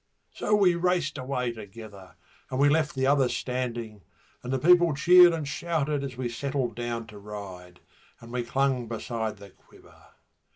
So we raced away together, and we left the others standing, And the people cheered and shouted as we settled down to ride, And we clung beside the Quiver.